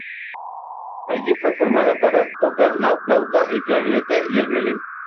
Allí fue formado para tocar la flauta, el clarinete y el violín.